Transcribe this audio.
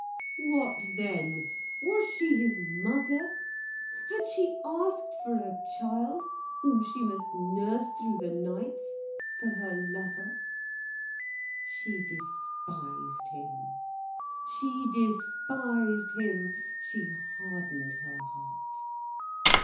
What then! Was she his mother? Had she asked for a child, whom she must nurse through the nights, for her lover. She despised him, she despised him, she hardened her heart.